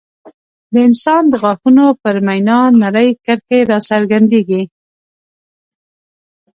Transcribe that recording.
د انسان د غاښونو پر مینا نرۍ کرښې راڅرګندېږي.